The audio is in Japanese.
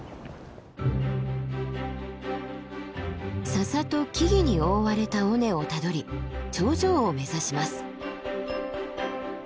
笹と木々に覆われた尾根をたどり頂上を目指します。